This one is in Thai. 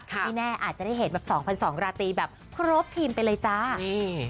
พี่แน่อาจจะได้เห็นแบบ๒๐๐๒ราตรีแบบครบทีมไปเลยจ้ะนี่